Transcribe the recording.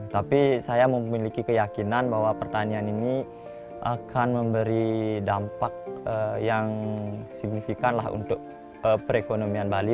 tapi saya memiliki keyakinan bahwa pertanian ini akan memberi dampak yang signifikan lah untuk perekonomian bali